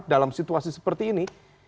dalam situasi seperti ini